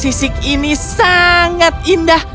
sisik ini sangat indah